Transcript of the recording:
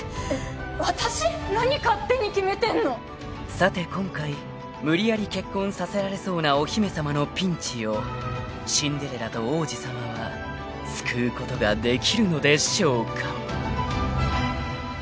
［さて今回無理やり結婚させられそうなお姫様のピンチをシンデレラと王子様は救うことができるのでしょうか］